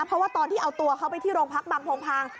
เพราะว่าตอนที่เอาตัวเขาไปที่โรงพักบางโพงพาง